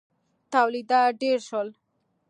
تولیدات ډېر شول.